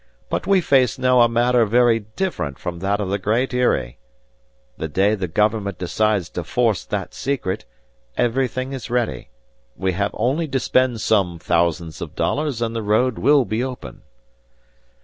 But we face now a matter very different from that of the Great Eyrie. The day the government decides to force that secret, everything is ready. We have only to spend some thousands of dollars, and the road will be open."